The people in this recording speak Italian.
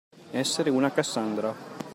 Essere una Cassandra.